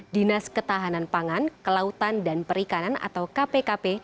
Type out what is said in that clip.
dinas ketahanan pangan kelautan dan perikanan atau kpkp